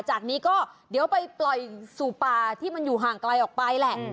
จากนี้ก็เดี๋ยวไปปล่อยสู่ป่าที่มันอยู่ห่างไกลออกไปแหละ